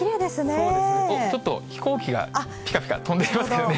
そうですね、ここちょっと、飛行機がぴかぴか、飛んでいますけどね。